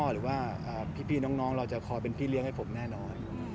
หรือว่าพี่น้องเราจะคอยเป็นพี่เลี้ยงให้ผมแน่นอน